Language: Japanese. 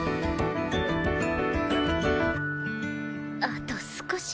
あと少し。